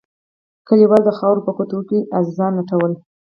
كليوالو د خاورو په کوټو کښې عزيزان لټول.